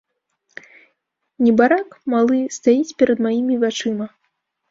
Небарак малы стаіць перад маімі вачыма.